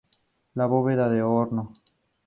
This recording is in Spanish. La bóveda de horno.